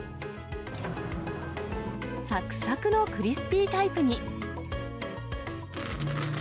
さくさくのクリスピータイプに。